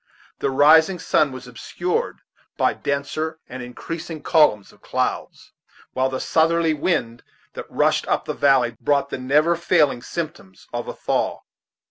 The rising sun was obscured by denser and increasing columns of clouds, while the southerly wind that rushed up the valley brought the never failing symptoms of a thaw.